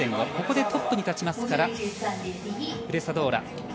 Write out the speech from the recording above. ここでトップに立ちますからブレサドーラ。